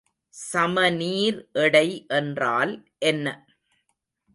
சமநீர் எடை என்றால் என்ன?